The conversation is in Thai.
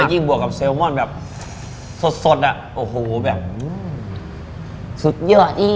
และยิ่งบวกกับเซลม่อนแบบสดสดอ่ะโอ้โหแบบอืมสุดเยอะอีหลี